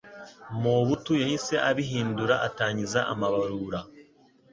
Mobutu yahise abihindura atangiza amabarura